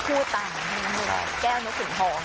ผู้ตามให้นกแก้วนกขุนทอง